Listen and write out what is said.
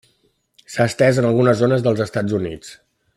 S'ha estès a algunes zones dels Estats Units.